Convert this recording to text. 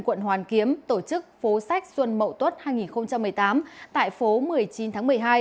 quận hoàn kiếm tổ chức phố sách xuân mậu tuất hai nghìn một mươi tám tại phố một mươi chín tháng một mươi hai